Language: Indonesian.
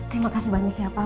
terima kasih banyak ya pak